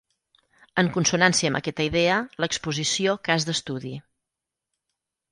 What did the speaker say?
En consonància amb aquesta idea, l’exposició Cas d’estudi.